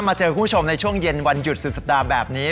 เจอคุณผู้ชมในช่วงเย็นวันหยุดสุดสัปดาห์แบบนี้